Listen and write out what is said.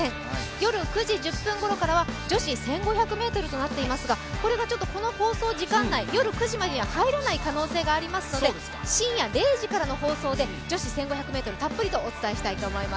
夜９時１０分ごろからは女子１５００ｍとなっていますが、これがちょっとこの放送時間内夜９時には入らない可能性がありますので深夜０時からの放送でたっぷりお伝えしたいと思います。